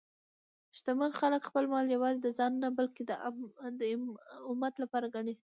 شتمن خلک خپل مال یوازې د ځان نه، بلکې د امت لپاره ګڼي.